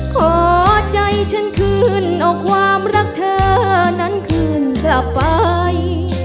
ขอใจฉันคืนเอาความรักเธอนั้นคืนกลับไป